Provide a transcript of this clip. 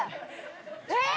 えっ！？